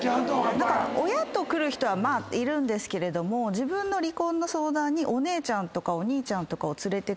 親と来る人はまあいるんですけれども自分の離婚の相談にお姉ちゃんお兄ちゃんとかを連れてくる人。